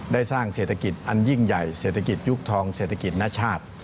ได้สร้างเศรษฐกิจอันยิ่งใหญ่เศรษฐกิจยุคทองเศรษฐกิจณชาติ